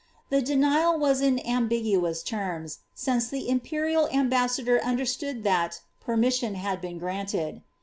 The denial was in ambiguous terms, since the im()crial am bassador understood that ^^ permission had been granted."